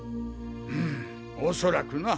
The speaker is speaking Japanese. うむおそらくな。